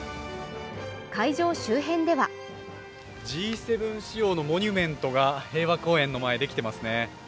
会場周辺ではＧ７仕様のモニュメントが平和公園の前にできていますね。